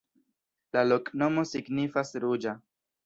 La loknomo signifas: ruĝa.